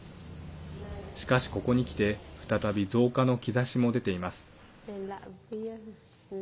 しかし、ここにきて再び増加の兆しも出ています。